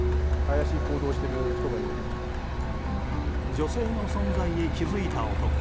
女性の存在に気づいた男。